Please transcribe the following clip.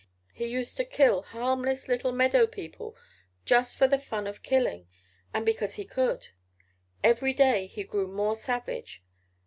He used to kill harmless little meadow people just for the fun of killing, and because he could. Every day he grew more savage.